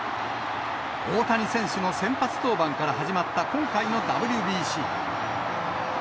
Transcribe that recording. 大谷選手の先発登板から始まった今回のＷＢＣ。